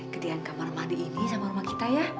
ketika kamu remah di sini sama rumah kita ya